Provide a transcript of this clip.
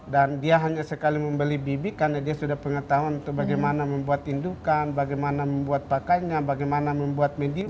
dan dia hanya sekali membeli bibik karena dia sudah pengetahuan untuk bagaimana membuat indukan bagaimana membuat pakainya bagaimana membuat mediumnya